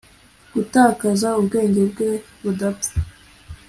gutakaza ubwenge bwe budapfa